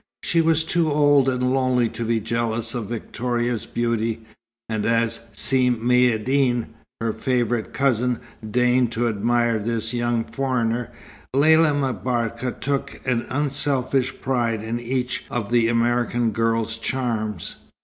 She was too old and lonely to be jealous of Victoria's beauty; and as Si Maïeddine, her favourite cousin, deigned to admire this young foreigner, Lella M'Barka took an unselfish pride in each of the American girl's charms.